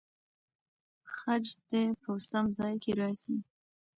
خج دې په سم ځای کې راسي.